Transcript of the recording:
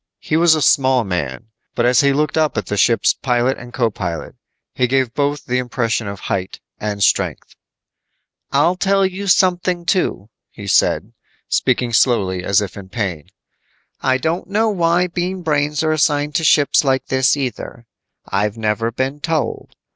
He was a small man, but as he looked up at the ship's pilot and co pilot, he gave both the impression of height and strength. "I'll tell you something, too," he said, speaking slowly as if in pain. "I don't know why Bean Brains are assigned to ships like this either. I've never been told.